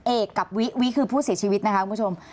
เอกกับวิวิคือผู้เสียชีวิตนะคะคุณผู้ชม